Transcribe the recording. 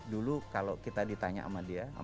dulu kalau kita ditanya sama dia